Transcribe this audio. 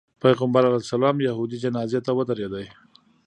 پیغمبر علیه السلام یهودي جنازې ته ودرېده.